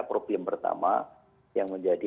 problem pertama yang menjadi